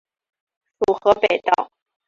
属河北道。